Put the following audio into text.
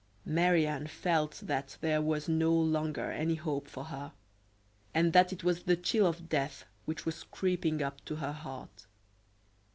Marie Anne felt that there was no longer any hope for her, and that it was the chill of death which was creeping up to her heart.